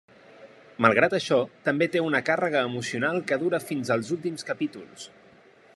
Malgrat això, també té una càrrega emocional que dura fins als últims capítols.